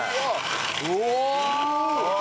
うわ！